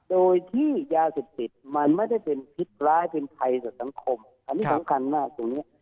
โดยที่ยาสิทธิ์มันไม่ได้เป็นพิษร้ายเป็นไพรสังคมอันนี้สำคัญมาก